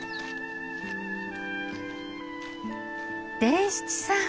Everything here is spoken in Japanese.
伝七さん。